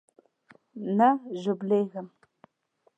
نه ژوبلېږم.